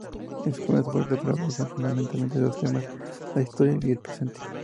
En sus primeras obras prevalecen fundamentalmente dos temas: la historia y el presente.